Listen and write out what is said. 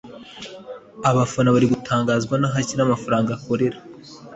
abafana bari gutangazwa n’aho ashyira amafaranga akorera